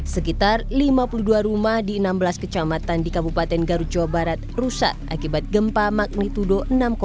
sekitar lima puluh dua rumah di enam belas kecamatan di kabupaten garut jawa barat rusak akibat gempa magnitudo enam satu